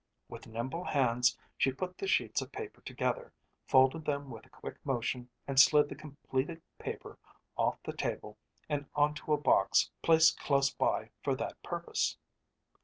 With nimble hands she put the sheets of paper together, folded them with a quick motion and slid the completed paper off the table and onto a box placed close by for that purpose.